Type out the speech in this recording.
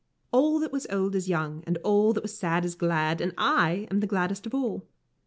All that was old is young, and all that was sad is glad, and I am the gladdest of all.